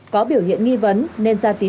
có biểu hiện nghi vấn nên xe mô tô bị bắt được